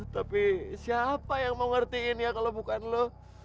tapi siapa yang mau ngertiin ya kalau bukan lo